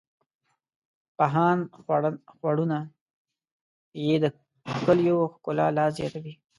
بهاند خوړونه یې د کلیو ښکلا لا زیاتوي.